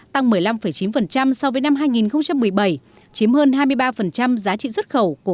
tăng một mươi năm chín so với năm hai nghìn một mươi bảy chiếm hơn hai mươi ba giá trị xuất khẩu của